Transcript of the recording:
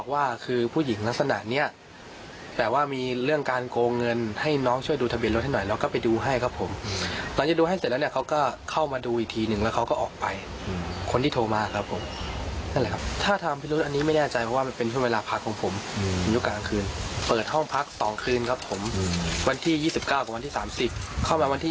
วันที่๒๙ตอนประมาณ๕โมงเย็น